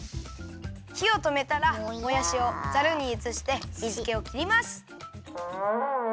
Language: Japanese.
ひをとめたらもやしをザルにうつして水けをきります。